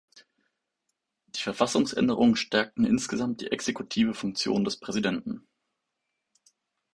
Die Verfassungsänderungen stärkten insgesamt die exekutive Funktion des Präsidenten.